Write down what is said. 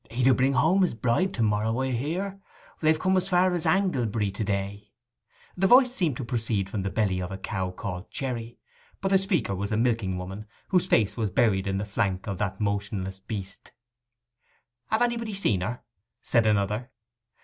'He do bring home his bride to morrow, I hear. They've come as far as Anglebury to day.' The voice seemed to proceed from the belly of the cow called Cherry, but the speaker was a milking woman, whose face was buried in the flank of that motionless beast. 'Hav' anybody seen her?' said another.